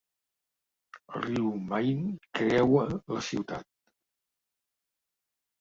El riu Main creua la ciutat.